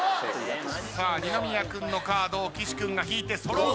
さあ二宮君のカードを岸君が引いて揃う。